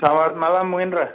selamat malam mung indra